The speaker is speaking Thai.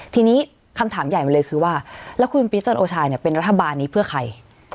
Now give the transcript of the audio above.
ทีนี้คำถามใหญ่มาเลยคือว่าแล้วคุณปีจันโอชาเป็นรัฐบาลนี้เพื่อใคร